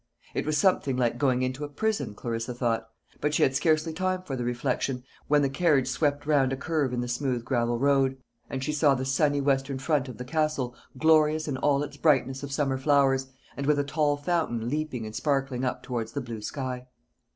It was something like going into a prison, Clarissa thought; but she had scarcely time for the reflection, when the carriage swept round a curve in the smooth gravel road, and she saw the sunny western front of the Castle, glorious in all its brightness of summer flowers, and with a tall fountain leaping and sparkling up towards the blue sky.